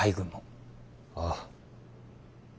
ああ。